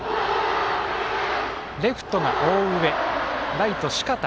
レフトが大上ライト、四方。